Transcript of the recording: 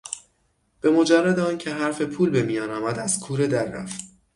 به مجرد آنکه حرف پول به میان آمد از کوره در رفت.